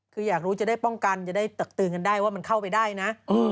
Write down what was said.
คืออยากรู้จะได้ป้องกันจะได้ตักเตือนกันได้ว่ามันเข้าไปได้นะ